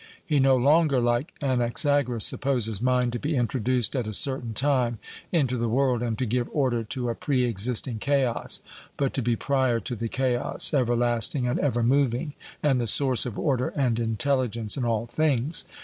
He no longer, like Anaxagoras, supposes mind to be introduced at a certain time into the world and to give order to a pre existing chaos, but to be prior to the chaos, everlasting and evermoving, and the source of order and intelligence in all things.